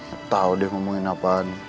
gak tau deh ngomongin apaan